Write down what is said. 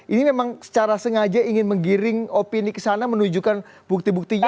ini memang secara sengaja ingin menggiring opini ke sana menunjukkan bukti buktinya